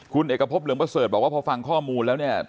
คุณเอกพบเหลืองประเสริฐบอกว่าพอฟังข้อมูลแล้วเนี่ย